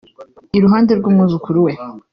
Iruhande rw’umwuzukuru we